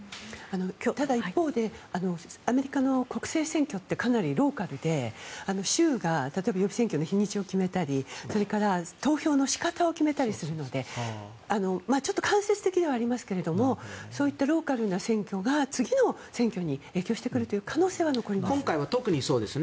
ただ、一方でアメリカの国政選挙ってかなりローカルで、州が例えば予備選挙の日にちを決めたりそれから投票の仕方を決めたりするのでちょっと間接的ではありますがそういったローカルな選挙が次の選挙に影響してくるという可能性は残ります。